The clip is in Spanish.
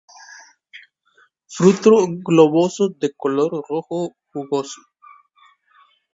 Fruto globoso, de color rojo, jugoso.